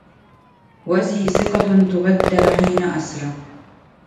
وذي ثقة تبدل حين أثرى